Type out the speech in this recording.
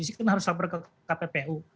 itu harus member ke kppu